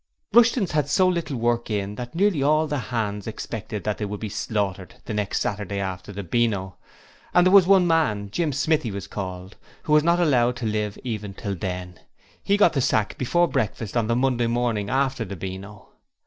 Rushton's had so little work in that nearly all the hands expected that they would be slaughtered the next Saturday after the 'Beano' and there was one man Jim Smith he was called who was not allowed to live even till then: he got the sack before breakfast on the Monday morning after the Beano.